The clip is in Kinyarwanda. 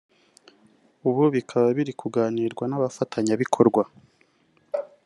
ubu bikaba biri kuganirwa n’abafatanyabikorwa